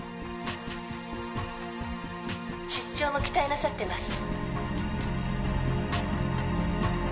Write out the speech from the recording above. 「室長も期待なさってます」